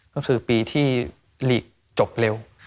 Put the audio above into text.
ก็คือปีที่หลีกจบเร็ว